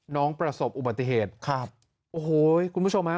ประสบอุบัติเหตุครับโอ้โหคุณผู้ชมฮะ